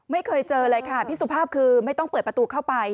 ไม่เคยเจอเลยค่ะพี่สุภาพคือไม่ต้องเปิดประตูเข้าไป